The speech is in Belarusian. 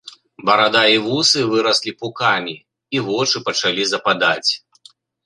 Барада і вусы выраслі пукамі, і вочы пачалі западаць.